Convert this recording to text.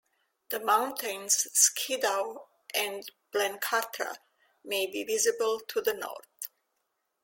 The mountains Skiddaw and Blencathra may be visible to the north.